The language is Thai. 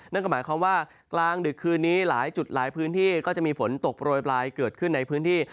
นั่นก็หมายความว่ากลางดึกคืนนี้หลายจุดหลายพื้นที่ก็จะมีฝนตกโรยปลายเกิดขึ้นในพื้นที่